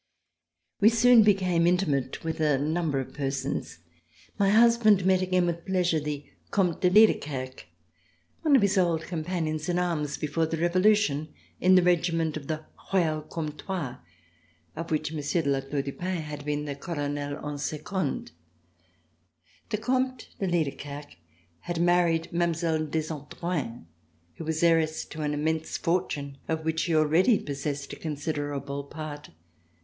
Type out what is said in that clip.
We soon became intimate with a number of persons. My husband met again with pleasure the Comte de Liedekerke, one of his old companions in arms before the Revolution in the Regiment of Royal Comtois, of which Monsieur de La Tour du Pin had been the Colonel en Second. The Comte de Liedekerke had married Mile. Desandrouin, who was heiress to an immense fortune of which she already possessed a considerable part.